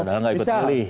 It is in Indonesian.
padahal gak ikut pilih